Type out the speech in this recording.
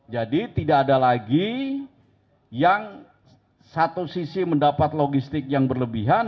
jadi tidak ada lagi yang satu sisi mendapat logistik yang berlebihan